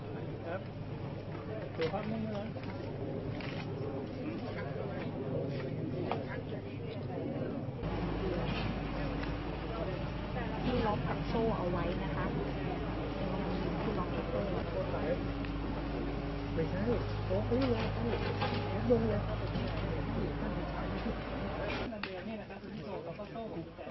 งรมทราบอยู่ในนี้คือวังว่าด้วยคุณผู้ครับไม่ได้พิสูจน์รักจากการขอบคุณค่ะ